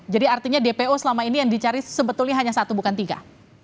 jadi artinya dpo selama ini yang dicari sebetulnya hanya satu bukan tiga